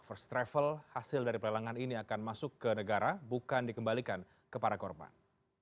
first travel hasil dari pelelangan ini akan masuk ke negara bukan dikembalikan kepada korban